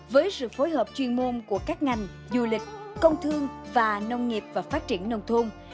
với sự phối hợp chuyên môn của các ngành du lịch công thương và nông nghiệp và phát triển nông thôn